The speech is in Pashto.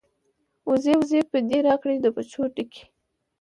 ـ وزې وزې پۍ دې راکړې د پچو ډکې.